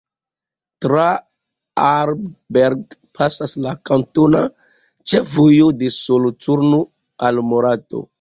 Tra Aarberg pasas la kantona ĉefvojo de Soloturno al Morato.